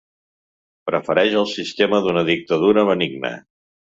Prefereix el sistema d'una dictadura benigna.